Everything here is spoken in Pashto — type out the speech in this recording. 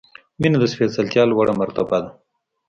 • مینه د سپېڅلتیا لوړه مرتبه ده.